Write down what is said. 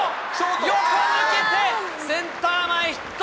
横抜けてセンター前ヒット。